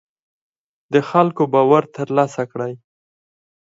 د خلکو باور تر لاسه کړئ